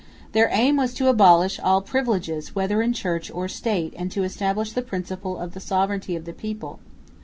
Their aim was to abolish all privileges whether in Church or State, and to establish the principle of the sovereignty of the people.